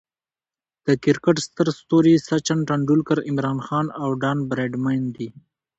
د کرکټ ستر ستوري سچن ټندولکر، عمران خان، او ډان براډمن دي.